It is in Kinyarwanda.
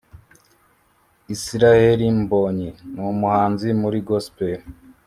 Israheli mbonyi numuhanzi muri gospel